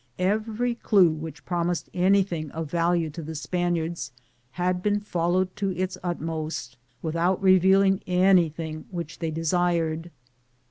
Every clew which promised anything of value to the Spaniards had been followed to its ut most, without revealing anything which they desired.